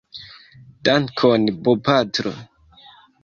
Dankon bopatro.